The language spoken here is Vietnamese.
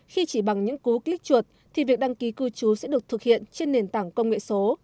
khi chỉ bằng những cú click chuột thì việc đăng ký cư trú sẽ được thực hiện trên nền tảng công nghệ số